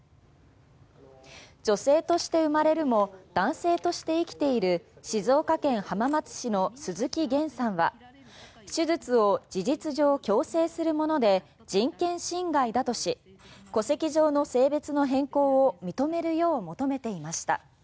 女性として生まれるも男性として生きている静岡県浜松市の鈴木げんさんは手術を事実上強制するもので人権侵害だとし戸籍上の性別の変更を認めるよう求めていました。